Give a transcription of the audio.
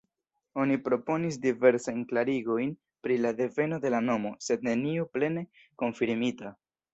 Oni proponis diversajn klarigojn pri la deveno de la nomo, sed neniu plene konfirmita.